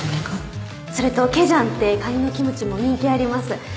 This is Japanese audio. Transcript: それとケジャンってカニのキムチも人気あります